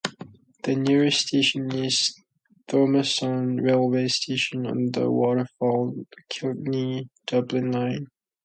The nearest station is Thomastown railway station on the Waterford-Kilkenny-Dublin line.